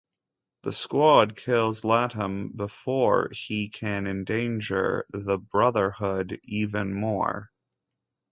The squad kills Latham before he can endanger the Brotherhood even more.